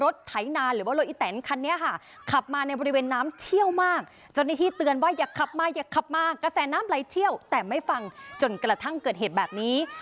แต่ไม่ฟังจนกระ้งเกิดเหตุแบบนี้